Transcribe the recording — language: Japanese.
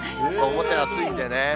表、暑いんでね。